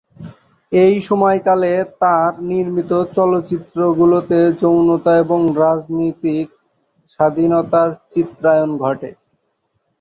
এই সময়কালে তার নির্মিত চলচ্চিত্রগুলোতে যৌনতা ও রাজনৈতিক স্বাধীনতার চিত্রায়ন ঘটে।